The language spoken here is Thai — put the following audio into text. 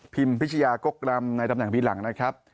พิชยากกรำในตำแหน่งปีหลังนะครับ